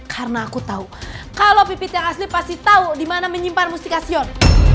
karena aku tau kalo pipit yang asli pasti tau dimana menyimpan mustikasion